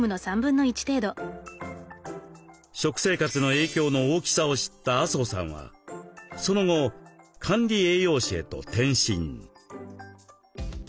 食生活の影響の大きさを知った麻生さんはその後管理栄養士へと転身。